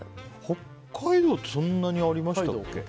北海道ってそんなにありましたっけ？